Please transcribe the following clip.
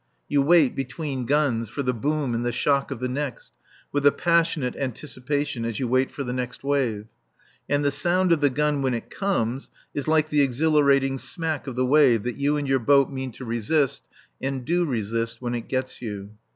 You wait, between guns, for the boom and the shock of the next, with a passionate anticipation, as you wait for the next wave. And the sound of the gun when it comes is like the exhilarating smack of the wave that you and your boat mean to resist and do resist when it gets you.